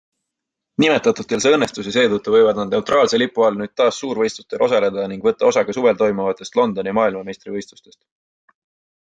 Nimetatutel see õnnestus ja seetõttu võivad nad neutraalse lipu all nüüd taas suurvõistlustel osaleda ning võtta osa ka suvel toimuvatest Londoni maailmameistrivõistlustest.